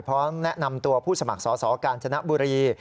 เพราะแนะนำตัวผู้สมัครสอบการชนะบุรี